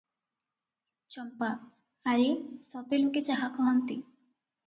ଚମ୍ପା - ଆରେ, ସତେ ଲୋକେ ଯାହା କହନ୍ତି